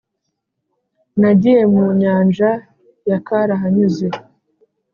nagiye mu nyanja ya karahanyuze